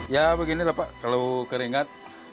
ya begini kalau keringat